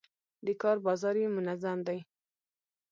د کار بازار یې منظم دی.